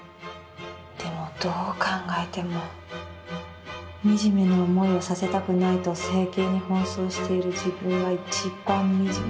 でもどう考えても、惨めな思いをさせたくないと整形に奔走している自分が一番惨め」。